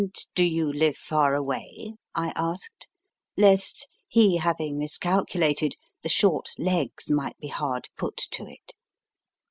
And do you live far away ? I asked, lest, he having miscalculated, the short legs might be hard put to it.